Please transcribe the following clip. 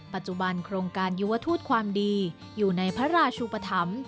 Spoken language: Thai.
ปัจจุบันโครงการยุวทูตความดีอยู่ในพระราชุปธรรม